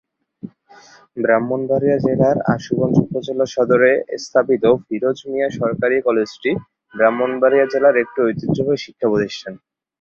ব্রাহ্মণবাড়িয়া জেলার আশুগঞ্জ উপজেলা সদরে স্থাপিত ফিরোজ মিয়া সরকারি কলেজটি ব্রাহ্মণবাড়িয়া জেলার একটি ঐতিহ্যবাহী শিক্ষা প্রতিষ্ঠান।